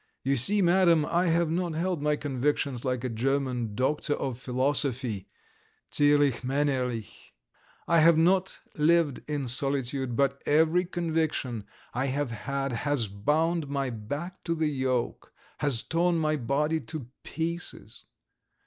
You see, Madam, I have not held my convictions like a German doctor of philosophy, zierlichmännerlich, I have not lived in solitude, but every conviction I have had has bound my back to the yoke, has torn my body to pieces.